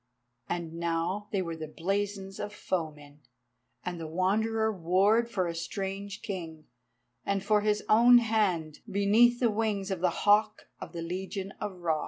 And now they were the blazons of foemen, and the Wanderer warred for a strange king, and for his own hand, beneath the wings of the Hawk of the Legion of Ra.